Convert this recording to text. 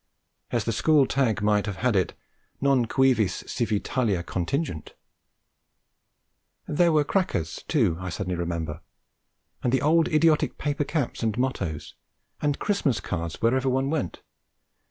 As the school tag might have had it, non cuivis civi talia contingunt. There were crackers, too, I suddenly remember, and the old idiotic paper caps and mottoes, and Christmas cards wherever one went.